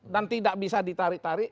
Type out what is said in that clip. dan tidak bisa ditarik tarik